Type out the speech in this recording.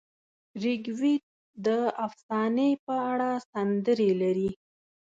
رګ وید د افسانې په اړه سندرې لري.